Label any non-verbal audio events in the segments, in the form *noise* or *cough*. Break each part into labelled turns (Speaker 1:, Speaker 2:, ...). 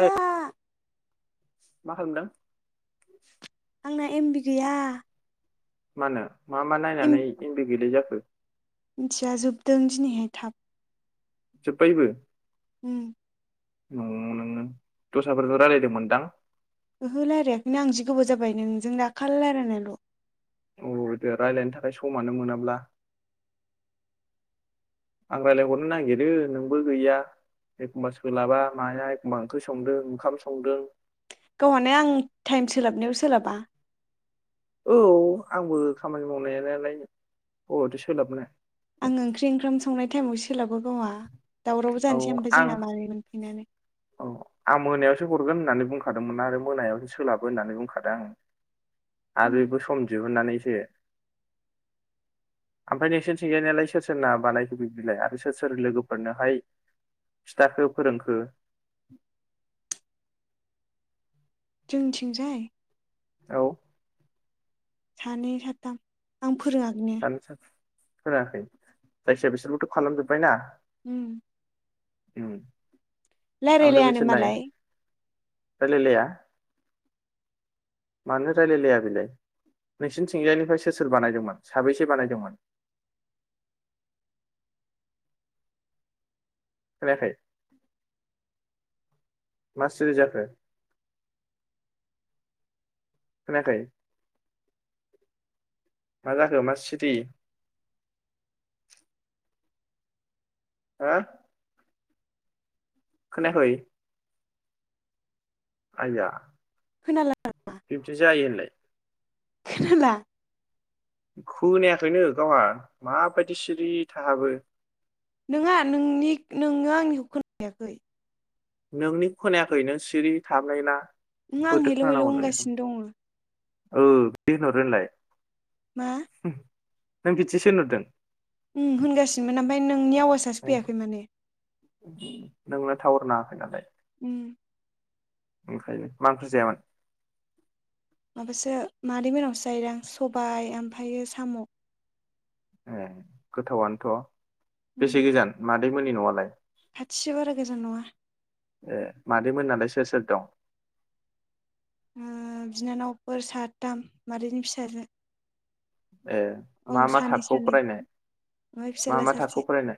Speaker 1: ओइ मा खालामदों?
Speaker 2: आंना एमबि गैया
Speaker 1: मानो? मा मा
Speaker 2: एम
Speaker 1: नायनानै एमबि गैलायि जाखो? *unintelligible*
Speaker 2: मिथिया जोबदों दिनैहाय थाब
Speaker 1: जोबबायबो?
Speaker 2: उम
Speaker 1: न नोङो दस्राफोरजों रायलायदोंमोनदां?
Speaker 2: ओहो राइलायाखैनो आं जि गोबाव जाबाय नोंजों दाखालै रायलायनायनोल।
Speaker 1: औ दे रायलायनो थाखाय समानो मोनाब्ला आं रायलायहरनो नागिरो नोंबो गैया एखमबा सोलाबा माया एखमबा ओंख्रि संदों ओंखाम संदों
Speaker 2: गावहानो आं टाइम सोलाबनायाव सोलाबा
Speaker 1: औ आंबो खामानि मावनायालाइ अबावथो सोलाबनो
Speaker 2: आं ओंख्रि ओंखाम संनाय टाइमाव सोलाबो गवाह दावरावबो
Speaker 1: औ
Speaker 2: जानोसै ओमफ्राय
Speaker 1: आं
Speaker 2: जोंना मालाय मोनफैनानै
Speaker 1: औ आं मोनायावसो हरगोन होननानै बुंखादोंमोन आरो मोनायावसो सोलाबो होननानै बुंखादों आं। आरो इबो सम दिहुननानैसो ओमफाय नोंसिनथिंजायनालाइ सोर सोरना बानायखो बिबदिलाय आरो सोर सोर लोगोफोरनोहाय खिथाखो फोरोंखो?
Speaker 2: जोंथिंजाय?
Speaker 1: औ
Speaker 2: सानै साथाम आं फोरोङाखैनो
Speaker 1: सानै, साथाम फोरोङाखै? जायखिजाया बेसोरबोथ' खालामजोबबाय ना?
Speaker 2: उम
Speaker 1: उम
Speaker 2: लायराइ लायानो मालाय।
Speaker 1: रायलाइ लाया? मानो रायलाइलाया बेलाय नोंसिनि थिजायनिफ्राय सोर सोर बानायदोंमोन साबैसे बानायदोंमोन? खोनायाखै? मा सिरि जाखो? खोनायाखै मा जाखो मा सिरि? हा खोनायाखै? आइया
Speaker 2: खोनाला
Speaker 1: बिब्दि जायो होनलाय
Speaker 2: खोनाला
Speaker 1: खोनायाखैनो गावहा माबायदि सिरि थाहाबो
Speaker 2: नङा नोंनि नोङो आंनिखौ खोनायाखै
Speaker 1: नोंनि खोनायाखै नों सिरि थाबनाय ना
Speaker 2: ओं आं हेलौ हेलौ होनगासिनो दङ
Speaker 1: ओ *unintelligible* होनलाय
Speaker 2: मा
Speaker 1: नों बिदिसो होनरदों
Speaker 2: ओम होनगासिनोमोन ओमफ्राय नोंनि आवासासो फैयाखै माने
Speaker 1: थावर नाङाखै नालाय
Speaker 2: ओम
Speaker 1: ओंखायनो मा ओंख्रि जायामोन?
Speaker 2: माबासो मादै मोनावसो जाहैदों आं सबाय ओमफ्रायो साम'।
Speaker 1: ए गोथावनोथ'
Speaker 2: उम
Speaker 1: बेसे गोजान मा दैमोननि न'आलाय
Speaker 2: खाथिसो बारा गोजान नङा ओ
Speaker 1: ए मादै मोनालाय सोर सोर दं?
Speaker 2: ओम बिनानावफोर साथाम मादैनि फिसाजो।
Speaker 1: ए
Speaker 2: औ
Speaker 1: मा मा
Speaker 2: सानै
Speaker 1: थाखोआव
Speaker 2: सानै
Speaker 1: फरायनाय
Speaker 2: ओमफ्राय
Speaker 1: मा
Speaker 2: फिसाज्ला
Speaker 1: मा
Speaker 2: सासे
Speaker 1: थाखोआव फरायनाय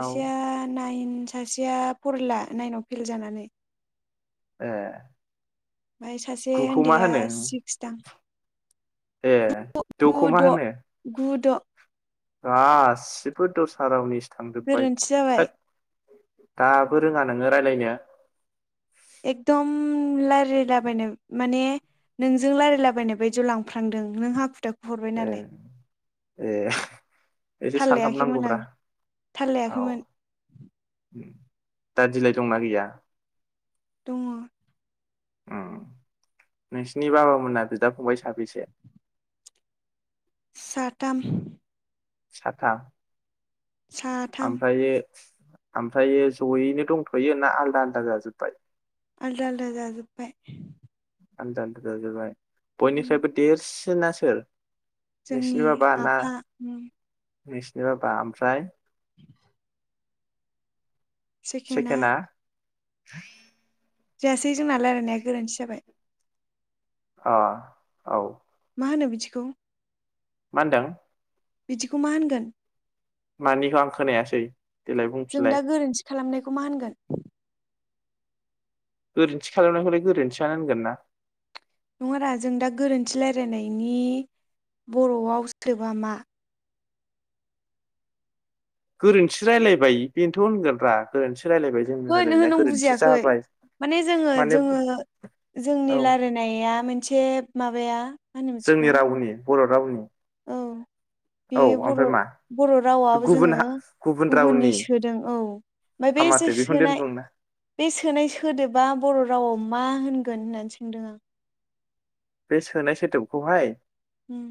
Speaker 1: औ
Speaker 2: नाइन सासेया फरला नाइनाव फेल जानानै
Speaker 1: ए
Speaker 2: ओमफ्राय सासे
Speaker 1: गुखौ मा
Speaker 2: उन्दैया
Speaker 1: होनो
Speaker 2: सिक्स दां
Speaker 1: ए
Speaker 2: गु
Speaker 1: द'खौ मा
Speaker 2: द'
Speaker 1: होनो
Speaker 2: गु द'
Speaker 1: गासिबो दस्रा रावनि थांजोबबाय
Speaker 2: गोरोन्थि जाबाय
Speaker 1: थोद दाबो रोङा नोङो राय्लायनो।
Speaker 2: एकदम रायलायलाबायनो माने नोंजों रायलायलाबायनाय बायदियाव लांफ्रांदों नों हाखु दाखु हरबाय
Speaker 1: ए
Speaker 2: नालाय
Speaker 1: ए एसे
Speaker 2: थाल
Speaker 1: सानहाब
Speaker 2: लायाखैमोन
Speaker 1: नांगौब्रा
Speaker 2: आं थाल
Speaker 1: औ
Speaker 2: लायाखैमोन
Speaker 1: ओम दा दिलाइ दंना गैया?
Speaker 2: दङ
Speaker 1: ओ नोंसिनि बाबामोना बिदा फंबाय साबैसे?
Speaker 2: साथाम
Speaker 1: साथा
Speaker 2: साथाम।
Speaker 1: ओमफ्रायो ओमफ्रायो जयैनो दंथयो ना आलदा आलदा जाजोबबाय?
Speaker 2: आलदा आलदा जाजोबबाय।
Speaker 1: आलदा आलदा जाजोबाय।
Speaker 2: उम
Speaker 1: बयनिफ्रायबो देरसिन आ सोर? नोंसिनि
Speaker 2: जोंनि
Speaker 1: बाबा ना
Speaker 2: आफा होम।
Speaker 1: नोंसिनि बाबा ओमफ्राय
Speaker 2: सेखेना
Speaker 1: ओमफ्राय
Speaker 2: जायासै जोंना रायलायनाया गोरोन्थि जाबाय।
Speaker 1: अ औ
Speaker 2: मा होनो बिदिखौ।
Speaker 1: मा होनदों।
Speaker 2: बिदिखौ मा होनगोन।
Speaker 1: मानिखौ आं खोनायासै। देलाय
Speaker 2: जों दा
Speaker 1: बुंफिनलाय।
Speaker 2: गोरोन्थि खालामनायखौ मा होनगोन।
Speaker 1: गोरोन्थि खालामनायखौलाय गोरोन्थियानो होनगोन ना।
Speaker 2: नङारा जों दा गोरोन्थि रायलायनायनि बर'आव सोदोबा मा?
Speaker 1: गोरोन्थि रायजलायबाय बेनोथ होनगोन रा गोरोन्थि। रायलायबाय जोंनि
Speaker 2: ओहो ओहो
Speaker 1: रायलायनाया
Speaker 2: नों
Speaker 1: गोरोन्थि
Speaker 2: बुजियाखै
Speaker 1: जाबाय
Speaker 2: माने जोङो
Speaker 1: माने
Speaker 2: जोङो जोंनि
Speaker 1: औ
Speaker 2: रायज्लायनाया। मोनसे माबाया। मा होनो बिदिखौ
Speaker 1: जोंनि रावनि। बर' रावनि
Speaker 2: औ बे
Speaker 1: औ
Speaker 2: बर'
Speaker 1: ओमफ्राय मा
Speaker 2: बर' रावाब
Speaker 1: गुबुन
Speaker 2: जोङो
Speaker 1: हा गुबुन
Speaker 2: गुबुननि
Speaker 1: रावनि
Speaker 2: सोदों औ ओमफ्राय बे
Speaker 1: हामाथो बेखौनो
Speaker 2: सोनाय
Speaker 1: दोनबुंना
Speaker 2: बे सोनाय सोदोबा बर' रावाव मा होनगोन। होगोन होननानै सोंदों आं।
Speaker 1: बे सोनाय सोदोबखौहाय।
Speaker 2: उम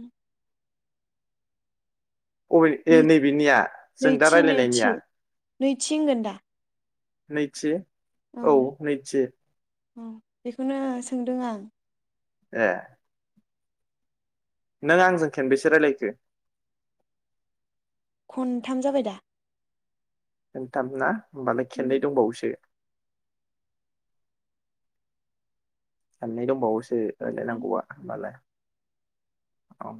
Speaker 1: अबेथो
Speaker 2: नै
Speaker 1: नैबेनिया जों दा
Speaker 2: नैथि नैथि
Speaker 1: रायज्लायनायनिया।
Speaker 2: नैथि होनगोन दा
Speaker 1: नैथि। औ नैथि।
Speaker 2: औ बेखौनो सोंदों आं।
Speaker 1: ए। नों आंजों खेनबेसे राय्लायखो।
Speaker 2: खनथाम जाबाय दा।
Speaker 1: खन्थाम ना। होमबाल
Speaker 2: उम
Speaker 1: खेननै दंबावोसो। खेननै दंबावोसो। ए
Speaker 2: खनथाम
Speaker 1: रायलायनांगौआ होनबालाय। औ।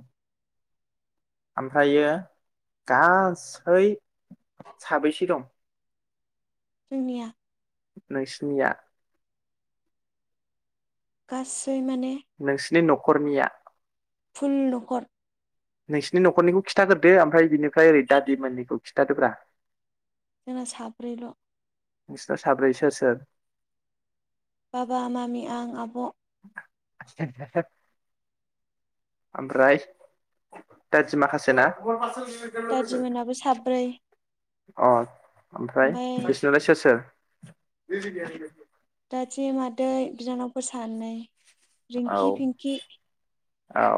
Speaker 1: ओमफ्रायो गासै साबैसे दं।
Speaker 2: जोंनिया।
Speaker 1: नैसिनिया।
Speaker 2: गासै। माने
Speaker 1: नोंसिनि न'ख खरनिया।
Speaker 2: फुल न'खर
Speaker 1: नोंसिनि न'खरनिखौ खिन्थाग्रोदो ओमफ्राय बिनिफ्राय ओरै दादि मोननिखौ खिन्थादोब्रा।
Speaker 2: जोंना साब्रैल।
Speaker 1: नोंसा साब्रै सोर सोर।
Speaker 2: बाबा मामि आं आब।
Speaker 1: ओमफ्राय दादि माखासे ना?
Speaker 2: दादिमोनाबो साब्रै।
Speaker 1: अ। ओमफ्राय बिसिनालाय सोर सोर? *inaudible*
Speaker 2: दादि मादै बिनानावफोर सानै।
Speaker 1: औ
Speaker 2: रिंकि फिंकि।
Speaker 1: औ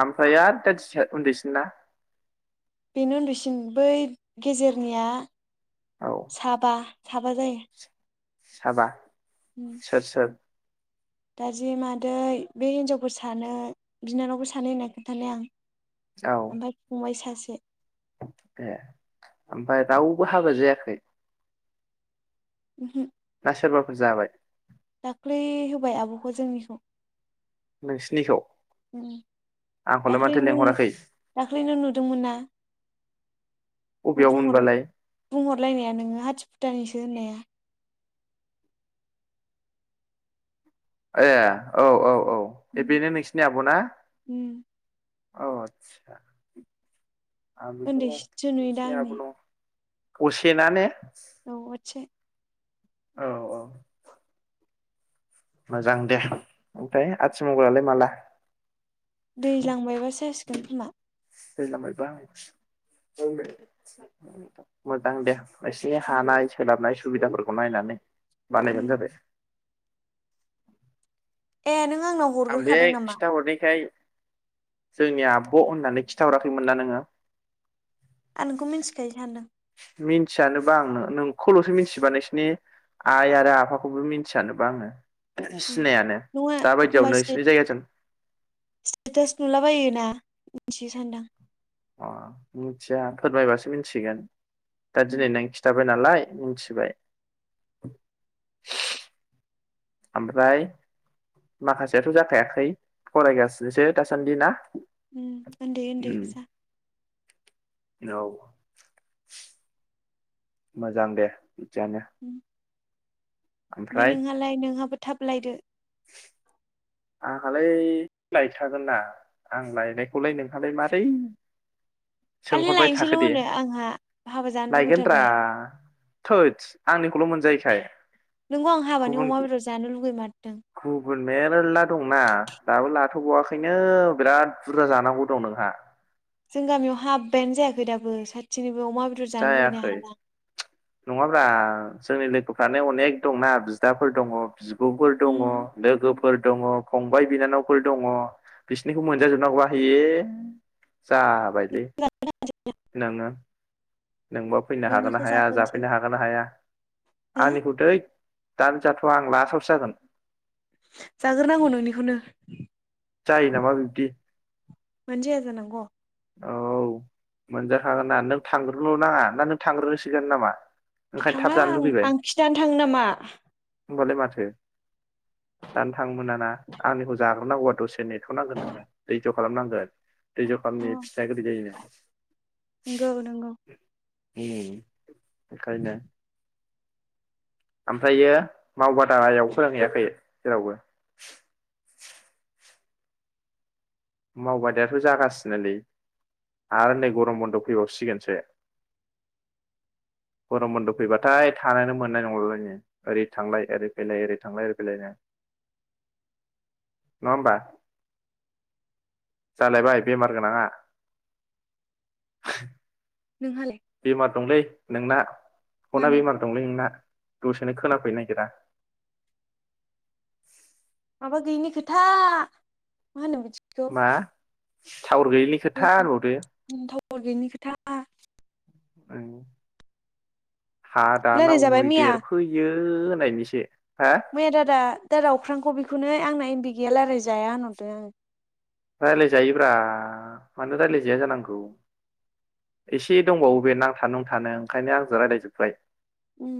Speaker 1: ओमफ्राय आरो दादि उन्दैसिन ना?
Speaker 2: बेनो उन्दैसिम बै गेजेरनिया
Speaker 1: औ
Speaker 2: साबा। साबा जायो।
Speaker 1: साबा। सोर सोर?
Speaker 2: दादि मादै बे हिनजावफोर सानो बिनानावबो सानै होनना खोनथानाया आं।
Speaker 1: औ
Speaker 2: ओमफाय फंबाय सासे *inaudible*
Speaker 1: ए ओमफ्राय रावबो हाबा जायाखै?
Speaker 2: ओमहो।
Speaker 1: ना सोरबाफोर जाबाय?
Speaker 2: दाख्लै होबाय आबखौ जोंनिखौ।
Speaker 1: नोंसिनिखौ? आंखौलाय
Speaker 2: दाख्लै
Speaker 1: माथो
Speaker 2: नों
Speaker 1: लेंहराखै
Speaker 2: दाख्लै नों नुदोंमोन ना।
Speaker 1: अबेयाव मोनबालाय
Speaker 2: बुंहर-बुंहरलायनाया नोङो हाथि फुटानिसो दोनाया।
Speaker 1: ए औ औ। औ ओ
Speaker 2: उम
Speaker 1: बेनो नोंसिनि आब ना?
Speaker 2: उम
Speaker 1: औ आतसा। आं बेखौनो
Speaker 2: उन्दैसिनसो नुयोदा
Speaker 1: नोंसिनि आब
Speaker 2: आंनि
Speaker 1: न असेना ने?
Speaker 2: औ अस्से।
Speaker 1: औ औ। मोजां दे ओमफ्राय आथि मंगलालाय माला?
Speaker 2: दैलां बायबासो जासिगोन खोमा।
Speaker 1: दैलां बायबा *unintelligible* मोजां दे। एसे हानाय सोलाबनाय सो सुबिदाफोरखौ नायनानै।
Speaker 2: उम
Speaker 1: बानायबानो जाबाय।
Speaker 2: ए नों आंनाव
Speaker 1: आं बे
Speaker 2: हरग्रोखादों नामा
Speaker 1: खिन्थााहरनायखाय जोंनिया आब होननानै खिन्थाहराखैमोन ना नोङो
Speaker 2: आंनोंखौ मिन्थिखायो सानदों।
Speaker 1: मिथियानोबा आं नोंखौलसो मिथिबा नोंसिनि आइ आरो आफाखौबो मिथियानोबा आङो
Speaker 2: ए
Speaker 1: सिनायानो
Speaker 2: नङा
Speaker 1: दाबायदियाव
Speaker 2: एखमबा
Speaker 1: नोंसिनि जायगाजों
Speaker 2: स्टेटास नुलाबायो ना थियो सानदों आं।
Speaker 1: अ मिथिया फोरमायबासो मिथिगोन। दा
Speaker 2: उम
Speaker 1: दिनै नों खिन्थाबाय नालाय मिथिबाय। ओमफ्राय माखासेयाथ जाखायाखै फरायगासिनोसो दासान्दि ना?
Speaker 2: उम उन्दै उन्दै
Speaker 1: उम
Speaker 2: गोजा।
Speaker 1: औ। मोजां दे। बिजानो
Speaker 2: ओमफाय नोंहालाय नोंहाबो थाबलायदो।
Speaker 1: आंहालाय लायथागोन ना आं लायनायखौलाय नोंहालाय मारै
Speaker 2: खालि
Speaker 1: सोंहरबाय
Speaker 2: लायनोसैल'
Speaker 1: थाखो दे
Speaker 2: होनो आंहा हाबा जानो
Speaker 1: लायगोनद्रा
Speaker 2: लुुबैथारबाय
Speaker 1: थोत आंनि। खौल' मोनजायैखाय।
Speaker 2: नोंगौ आं हाबानि
Speaker 1: गुबुन
Speaker 2: अमा बेदर जानो लुगैमार
Speaker 1: गुबुन मेरला दंना दाबो ला जाथबावआखैनो बिराद बुरजा जानांगौ दं नोंहा।
Speaker 2: जों गामियाव हाब्बायानो जायाखै दाबो सासेनिबो
Speaker 1: जायाखै नङाब्ला जोंनि लोगो दफ्रानो अनेक दंना बिदाफोर दङ। बिब'फोर
Speaker 2: उम
Speaker 1: दङ लोगोफोर फोर दङ फंबाय बिनानावफोर दङ बिसिनिखौ मोनजाजोबनांगौआ ए। जाबायलै नोङो। नोंब फैनो हागोन ना
Speaker 2: नोंनिखौ
Speaker 1: हाया
Speaker 2: जाग्रोनोसै
Speaker 1: जाफैनो हागोन ना हाया
Speaker 2: हो
Speaker 1: आंनिखौ थै दानो जाथवा आं लासवावसो जागोन।
Speaker 2: जाग्रोनांगौ नोंनिखौनो।
Speaker 1: जायो नामा बिबदि।
Speaker 2: मानो जाया जानांग।
Speaker 1: औ मोनजाखागोन ना नों थांग्रोल' नाङा ना नों थांग्रोनोसिगोन नामा? ओंखायनो थाब
Speaker 2: थाङा
Speaker 1: जानो
Speaker 2: आं आं खिथानो थाङो नामा।
Speaker 1: होनोमबालाय माथो दानो थां मोनाना आंनिखौ जाग्रोनांगौआ दसे नेथ बेखौ नांगोन नोंनो दै दैज खालामनांगोन दैज खालाम जा गोदै जायो।
Speaker 2: नंगौ नंगौ
Speaker 1: ह ओंखायनो ओमफ्रायो मावबादायाव फोरोंहैयाखै जेरावबो? मावबायादायाथ जागासिनोलै आरो नै गरम बन्द' फैबावसिगोनसो गरम बन्द' फैबाथाय थानो मोननाय नंलालायङो ओरै थांलाय ओरै फैलाय ओरै थांलाय ओरै फैलायनो नङा ओमबा। जालायबाय बेमार गोनाङा
Speaker 2: नोंहालाय
Speaker 1: बेमार दंलै नोंना खना
Speaker 2: मानो
Speaker 1: बे मार दंलै नोंना दसे बेखौनो खोनाफैनो नागिरा
Speaker 2: माबा गैयिनि खोथा मानो बिदि खौ
Speaker 1: मा टावार गैयिनि खोथा होनबावदो
Speaker 2: टावार गैयैनि खोथा
Speaker 1: ओं हा
Speaker 2: रायलाय
Speaker 1: दानाव
Speaker 2: जाबाय मैया
Speaker 1: मैदेर फैयो होनायनिसो
Speaker 2: मैया दादा दादा अख्रांखौ बेखौनो आंना इमबि गैया रायलाय जाया होनहरदों आङो।
Speaker 1: राय्लायजायोब्रा मानो रायलायजाया जानांगौ एसे दंबावो बेे नांथा नुंथानो ओंखायनो आंजों रायज्लायजोबबाय
Speaker 2: उम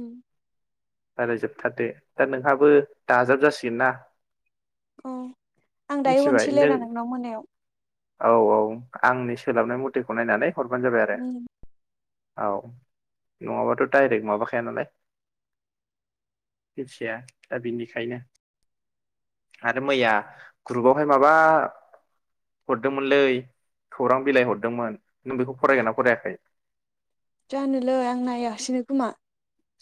Speaker 1: रायज्लायजोबथारदो दा नोंहाबो दाजाब जासिगोन ना
Speaker 2: औ आं दायो
Speaker 1: मिथिबाय
Speaker 2: मोनसे
Speaker 1: नों
Speaker 2: रायलायनो नांगोन मोनायाव
Speaker 1: औ औ आंनि सोलाबनाय मतेखौ नायनानै हरबानो जाबाय आरो
Speaker 2: उम
Speaker 1: औ नङाबाथ' डायरेक्ट माबाखाया नालाय मिथिया दा बिनिखायनो आरो मैया ग्रुपावहाय माबा हरदोंमोनलै खौरां बिलाइ हरदोंमोन। नों बेखौ फरायगोन ना फरायाखै
Speaker 2: जानोलै आं नायासैनो खोमा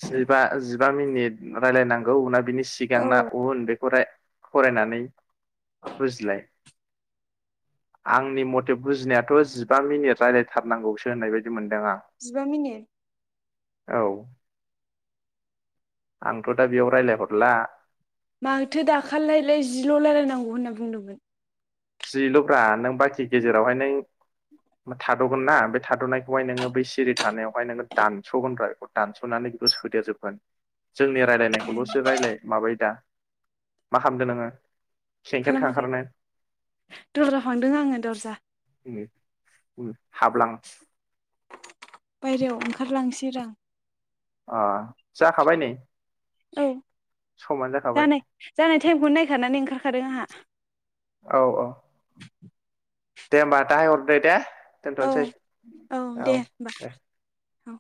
Speaker 1: जिबा-जिबा मिनिट रायलायनांगौ ना बिनि
Speaker 2: औ
Speaker 1: सिगांना उन बे फराय फरायनानै बुजिलाय आंनि मथे बुजिनायाथ' जिबा मिनिट रायलायथारनांगौसो होननाय बायदि मोनदों। आं
Speaker 2: जिबा मिनिट?
Speaker 1: औ। आंथ' दा बेयाव रायलायहरला
Speaker 2: माथो दाखाललायलाय जिल रायलायनांगौ होनना बुंदोंमोन।
Speaker 1: जिल'ब्रा नों बाखि गेजेरावहाय नों थाद'गोन ना बे थाद'नायखौहाय नोङो बै सिरि थानायावहाय नोङो दानस'गोनब्रा बेखौ दानस'नानै बेखौ सोदेर जोबगोन। जोंनि
Speaker 2: ए
Speaker 1: रायजलायनायखौलसो रायलाय माबायो दा। मा खामदों नोङो? सेंखेर
Speaker 2: खालामाखै
Speaker 1: खारखारनो
Speaker 2: दरजा फांदों आङो दरजा।
Speaker 1: हाबलां
Speaker 2: बायरायाव ओंखारलांसै रा
Speaker 1: अ जाखाबाय नै।
Speaker 2: औ।
Speaker 1: समानो जाखाबाय
Speaker 2: जानाय जानाय टाइमखौ नाय थानानै ओं *unintelligible* आंहा।
Speaker 1: औ औ दे होमबा दाहाय हरदो दे
Speaker 2: औ
Speaker 1: दोनथ'नोसै
Speaker 2: औ दे होनबा। औ।